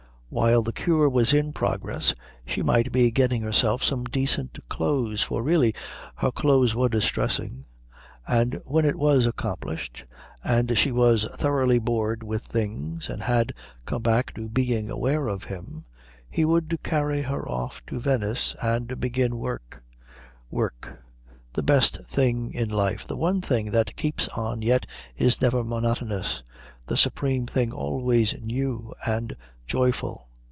While the cure was in progress she might be getting herself some decent clothes, for really her clothes were distressing, and when it was accomplished, and she was thoroughly bored with things, and had come back to being aware of him, he would carry her off to Venice and begin work work, the best thing in life, the one thing that keeps on yet is never monotonous, the supreme thing always new and joyful.